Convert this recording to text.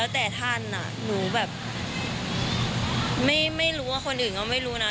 แต่ท่านหนูไม่รู้คนอื่นก็ไม่รู้นะ